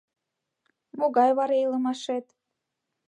Могай вара илымаше-ет?